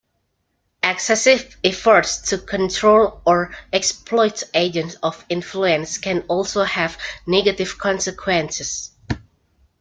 Excessive efforts to control or exploit agents of influence can also have negative consequences.